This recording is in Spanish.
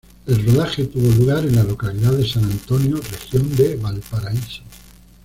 El rodaje tuvo lugar en la localidad de San Antonio, Región de Valparaíso.